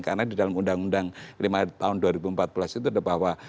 karena di dalam undang undang lima dua ribu empat belas itu ada bahwa